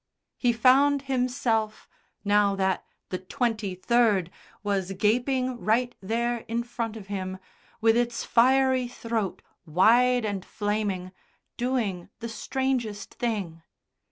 He found himself, now that the "twenty third" was gaping right there in front of him, with its fiery throat wide and flaming, doing the strangest thing.